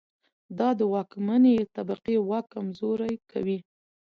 دا د واکمنې طبقې واک کمزوری کوي.